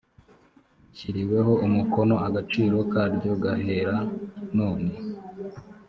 rishyiriweho umukono agaciro karyo gahera none.